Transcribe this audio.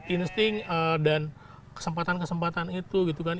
insting dan kesempatan kesempatan itu gitu kan